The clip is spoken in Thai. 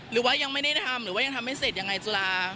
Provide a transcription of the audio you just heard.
หรือว่ายังไม่ได้ทำหรือว่ายังทำไม่เสร็จยังไงจุฬา